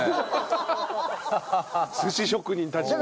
寿司職人たちの。